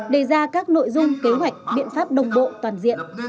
đề ra các nội dung kế hoạch biện pháp đồng bộ toàn diện